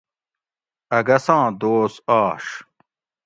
اگستاں دوس آش